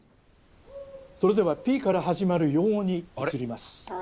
それでは「Ｐ」から始まる用語に移ります。